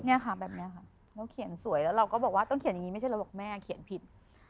เนี่ยค่ะแบบนี้ค่ะเราเขียนสวยแล้วเราก็บอกว่าต้องเขียนอย่างนี้ไม่ใช่เราบอกแม่เขียนผิด